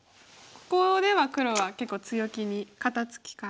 ここでは黒は結構強気に肩ツキから。